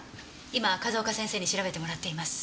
今風丘先生に調べてもらっています。